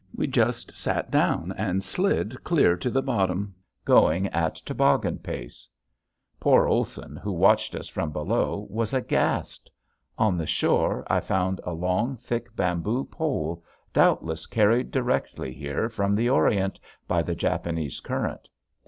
We just sat down and slid clear to the bottom, going at toboggan pace. Poor Olson, who watched us from below, was aghast. On the shore I found a long, thick bamboo pole, doubtless carried directly here from the orient by the Japanese current.